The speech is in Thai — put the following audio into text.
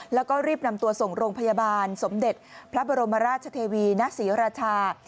แล้วก็รีบนำตัวส่งโรงพยาบาลสมเด็จพระบรมราชเทวีณศรีราชา